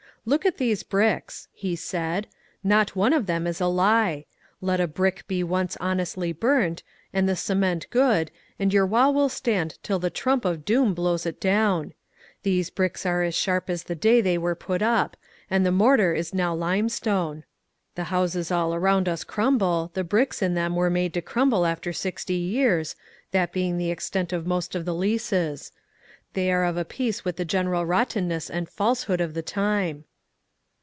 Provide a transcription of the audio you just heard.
^^ Look at these bricks," he «aid ;^^ not one of them is a lie. Let a brick be once honestly burnt, and the cement good, and your wall wiU stand till the trump of Doom blows it down I These bricks are as sharp as the day they were put up, and the mortar*is now limestone. The houses all around us crumble, the bricks in them were made to crumble after sixty years, — that being the extent of most of the leases. They are of a piece with the general rottenness and falsehood of the time."